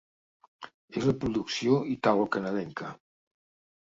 És una producció italo-canadenca.